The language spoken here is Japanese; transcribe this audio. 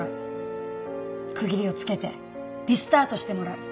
区切りをつけてリスタートしてもらう。